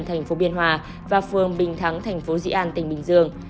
thành phố biên hòa và phường bình thắng thành phố dị an tỉnh bình dương